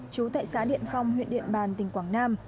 chú tại xã điện phong huyện điện bàn tỉnh quảng nam